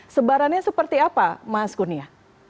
sebarannya seperti apa mas kurnia